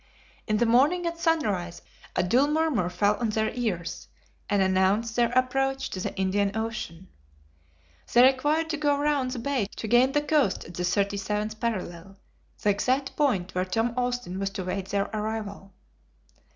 In the morning at sunrise, a dull murmur fell on their ears, and announced their approach to the Indian Ocean. They required to go round the bay to gain the coast at the 37th parallel, the exact point where Tom Austin was to wait their arrival.